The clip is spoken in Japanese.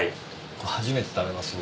これ初めて食べます僕。